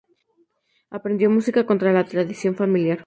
Aprendió música contra la tradición familiar.